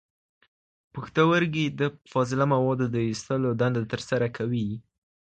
پښتورګي د فاضله موادو د ایستلو دنده ترسره کوي.